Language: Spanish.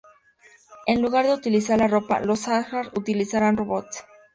En lugar de utilizar la ropa, los Asgard utilizarán robots.